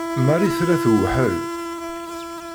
Marie tella tewḥel.